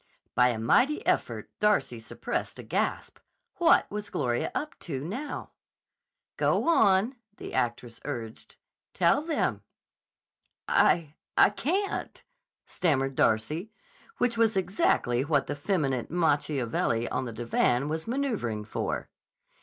By a mighty effort Darcy suppressed a gasp. What was Gloria up to, now? "Go on," the actress urged. "Tell them." "I I can't," stammered Darcy, which was exactly what the feminine Macchiavelli on the divan was maneuvering for.